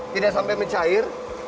tidak sampai mencair